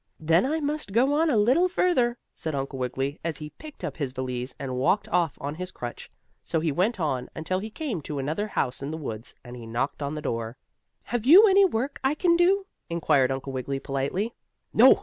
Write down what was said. "Then I must go on a little further," said Uncle Wiggily, as he picked up his valise, and walked off on his crutch. So he went on, until he came to another house in the woods, and he knocked on the door. "Have you any work I can do?" inquired Uncle Wiggily politely. "No!